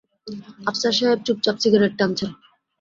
আফসার সাহেব চুপচাপ সিগারেট টানছেন।